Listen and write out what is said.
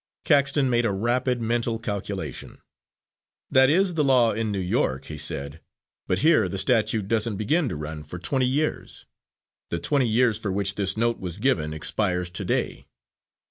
Caxton made a rapid mental calculation. "That is the law in New York," he said, "but here the statute doesn't begin to run for twenty years. The twenty years for which this note was given expires to day."